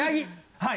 はい。